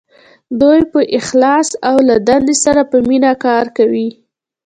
دوی په اخلاص او له دندې سره په مینه کار کوي.